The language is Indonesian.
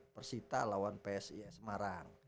persita lawan psi semarang